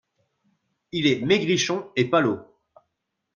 Il est maigrichon et palot.